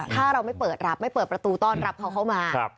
ถ้าเราไม่เปิดรับไม่เปิดประตูต้อนรับเขาเข้ามา